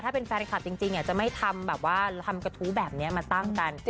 ถ้าเป็นแฟนคลับจริงจะไม่ทำแบบว่าทำกระทู้แบบนี้มาตั้งกัน